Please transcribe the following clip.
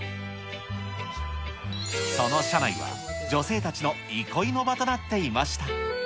その車内は、女性たちの憩いの場となっていました。